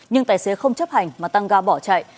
nhưng tài xế không chấp hành mà tăng ga bỏ chạy